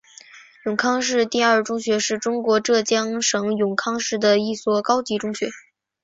永康市第二中学是中国浙江省永康市的一所高级中学。